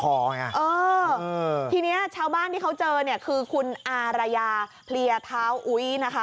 เออทีนี้ชาวบ้านที่เขาเจอคือคุณอารยาเพียเท้าอุ๋ย